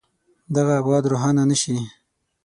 دغه ابعاد روښانه نه شي.